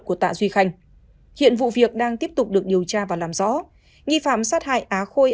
của tạ duy khanh hiện vụ việc đang tiếp tục được điều tra và làm rõ nghi phạm sát hại á khôi